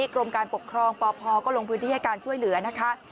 กรมการปกครองปพก็ลงพื้นที่ให้การช่วยเหลือนะคะ